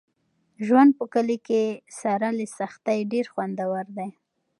ژوند په کلي کې سره له سختۍ ډېر خوندور دی.